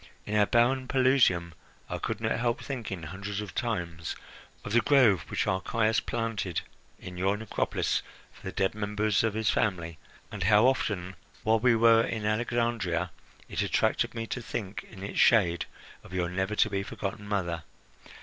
In our barren Pelusium I could not help thinking hundreds of times of the grove which Archias planted in your necropolis for the dead members of his family, and how often, while we were in Alexandria, it attracted me to think in its shade of your never to be forgotten mother.